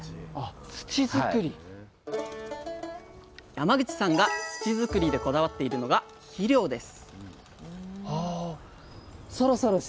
山口さんが土作りでこだわっているのが肥料です